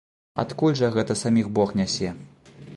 Адкуль жа гэта саміх бог нясе?